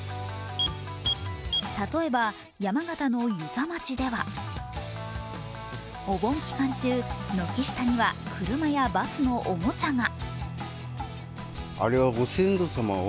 例えば山形の遊佐町では、お盆期間中、軒下には車やバスのおもちゃが。